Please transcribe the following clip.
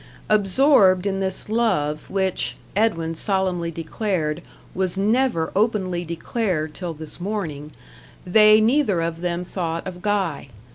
Absorbed in this love which, Edwin solemnly declared, was never openly declared till this morning they neither of them thought of Guy.